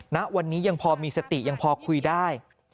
ณวันนี้ยังพอมีสติยังพอคุยได้